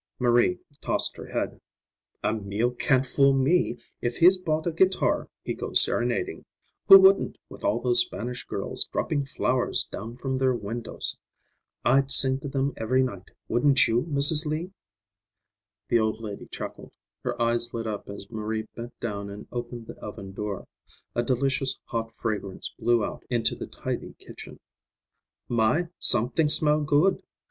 Marie tossed her head. "Emil can't fool me. If he's bought a guitar, he goes serenading. Who wouldn't, with all those Spanish girls dropping flowers down from their windows! I'd sing to them every night, wouldn't you, Mrs. Lee?" The old lady chuckled. Her eyes lit up as Marie bent down and opened the oven door. A delicious hot fragrance blew out into the tidy kitchen. "My, somet'ing smell good!"